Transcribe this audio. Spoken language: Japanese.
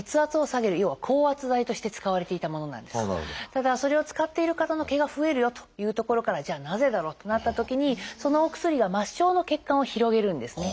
ただそれを使っている方の毛が増えるよというところからじゃあなぜだろうとなったときにそのお薬が末梢の血管を広げるんですね。